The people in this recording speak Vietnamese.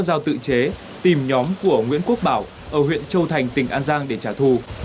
giao tự chế tìm nhóm của nguyễn quốc bảo ở huyện châu thành tỉnh an giang để trả thù